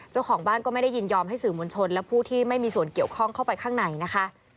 เจ้าของบ้านก็ไม่ได้ยินยอมให้สื่อมวลชนและผู้ที่ไม่มีส่วนเกี่ยวข้องเข้าไปข้างในนะคะ